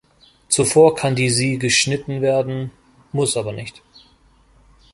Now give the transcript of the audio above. Zuvor kann die sie geschnitten werden, muss aber nicht.